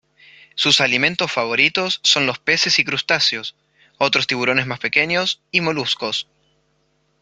Sus alimentos favoritos son los peces y crustáceos, otros tiburones más pequeños, y moluscos.